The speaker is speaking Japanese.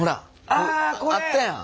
あこれ！あったやん。